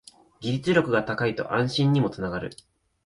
技術力が高いと安心にもつながる